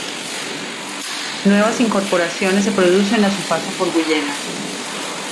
Nuevas incorporaciones se producen a su paso por Guyena.